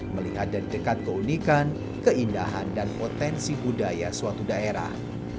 melihat dari dekat keunikan keindahan dan potensi budaya suatu daerah